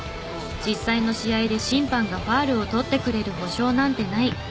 実際の試合で審判がファウルをとってくれる保証なんてない。